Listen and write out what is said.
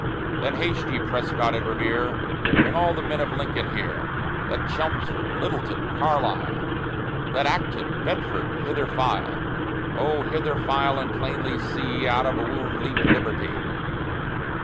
Then haste ye, Prescott and Revere! Bring all the men of Lincoln here; Let Chelmsford, Littleton, Carlisle, Let Acton, Bedford, hither file Oh hither file, and plainly see Out of a wound leap Liberty.